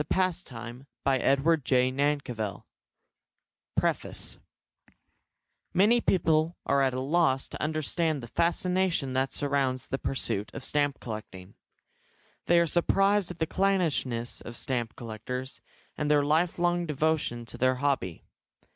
New York 167, BROADWAY 1902 PREFACE Many people are at a loss to understand the fascination that surrounds the pursuit of stamp collecting. They are surprised at the clannishness of stamp collectors, and their lifelong devotion to their hobby.